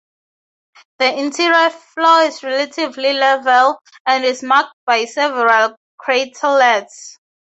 The interior floor is relatively level, and is marked by several craterlets.